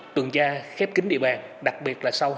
tuần tra khép kính địa bàn đặc biệt là sau hai mươi ba h đêm